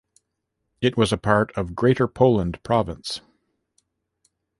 It was a part of Greater Poland province.